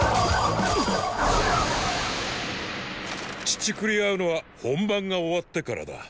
乳くり合うのは本番が終わってからだ。